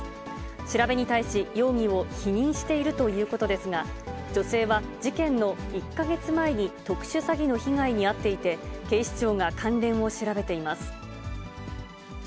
調べに対し、容疑を否認しているということですが、女性は事件の１か月前に、特殊詐欺の被害に遭っていて、警視庁が関連を調べています。